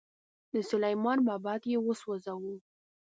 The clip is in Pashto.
د سلیمان معبد یې وسوځاوه.